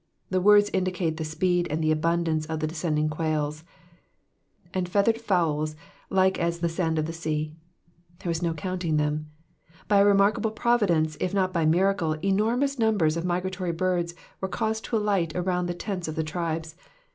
The words indicate the speed, and the abundance of the descending quails. ^'^ And feathered fitwls like mt the sand of the sea ;'^ there was no counting them. By a remarkable providence, if not by miracle, enormous numbers of migratory birds were caused to alight arouud the tents of the tribes.